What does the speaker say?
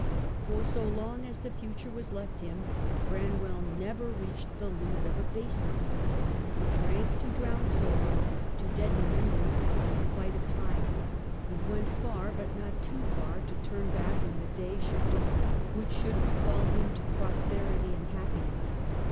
For so long as the future was left him, Bran well never reached the limit of abasement. He drank to drown sorrow, to deaden memory and the flight of time ; he went far, but not too far to turn back when the day should dawn which TROUBLES. 193 should recall him to prosperity and happiness.